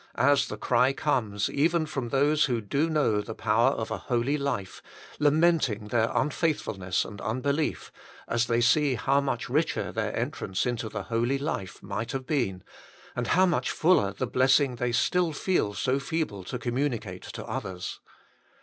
as the cry comes, even from those who do know the power of a holy life, lamenting their unfaithfulness and un belief, as they see how much richer their entrance into the Holy Life might have been, arid how much fuller the blessing they still feel so feeble to com municate to others.